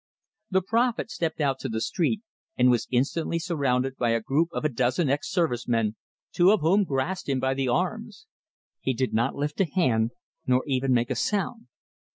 The prophet stepped out to the street, and was instantly surrounded by a group of a dozen ex service men, two of whom grasped him by the arms. He did not lift a hand, nor even make a sound.